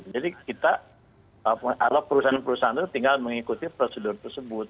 jadi kita kalau perusahaan perusahaan itu tinggal mengikuti prosedur tersebut